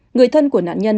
người thân của nạn nhân